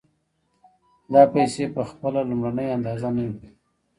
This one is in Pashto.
دا پیسې په خپله لومړنۍ اندازه نه وي